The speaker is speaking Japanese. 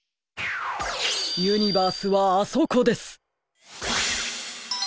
ユニバースはあそこです！